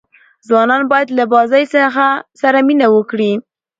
ځوانان باید له بازۍ سره مینه وکړي.